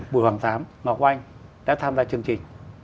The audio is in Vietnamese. bùi hoàng thám ngọc oanh đã tham gia chương trình